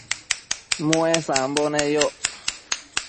muesambo neyoc